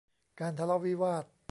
การทะเลาะวิวาท